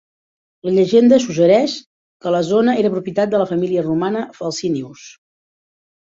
La llegenda suggereix que la zona era propietat de la família romana Falcinius.